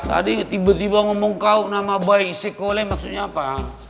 tadi tiba tiba ngomong kaum nama baik sekolah maksudnya apa